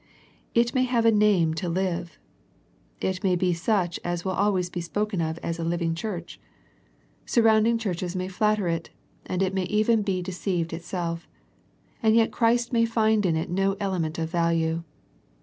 It may have a name to live. It may be such as will always be spoken of as a living church. Surrounding The Sardis Letter 151 churches may flatter it, and it may even be de ceived itself, and yet Christ may find in it no element of value.